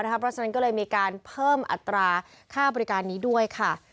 เพราะฉะนั้นก็เลยมีการเพิ่มอัตราค่าบริการนี้ด้วยค่ะ